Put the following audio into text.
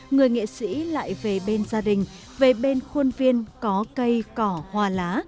người nghệ sĩ lại về bên gia đình về bên khuôn viên có cây cỏ hòa lá